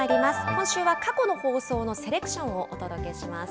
今週は過去の放送のセレクションをお届けします。